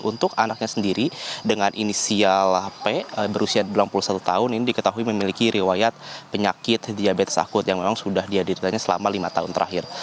untuk anaknya sendiri dengan inisial p berusia delapan puluh satu tahun ini diketahui memiliki riwayat penyakit diabetes akut yang memang sudah dihadirikannya selama lima tahun terakhir